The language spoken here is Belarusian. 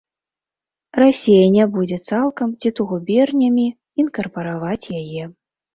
Расія не будзе цалкам ці то губернямі інкарпараваць яе.